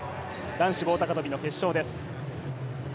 男子棒高跳の決勝です。